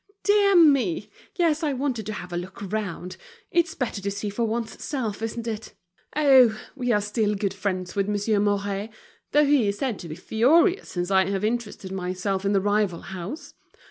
"Dear me! yes, I wanted to have a look round. It's better to see for one's self, isn't it? Oh! we are still good friends with Monsieur Mouret, though he is said to be furious since I have interested myself in that rival house.